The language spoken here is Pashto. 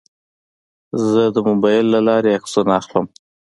زه د موبایل له لارې عکسونه اخلم.